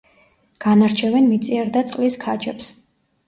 განარჩევენ მიწიერ და წყლის ქაჯებს.